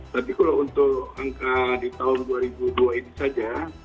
tapi kalau untuk angka di tahun dua ribu dua ini saja